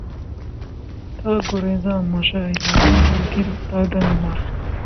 تھا گریزاں مژہٴ یار سے دل تا دمِ مرگ